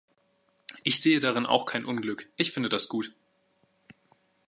Ich sehe darin auch kein Unglück, ich finde das gut.